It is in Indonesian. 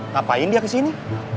ngapain dia kesini